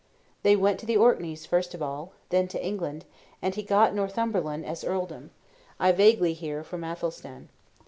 They went to the Orkneys first of all, then to England, and he "got Northumberland as earldom," I vaguely hear, from Athelstan.